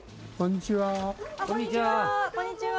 こんにちは。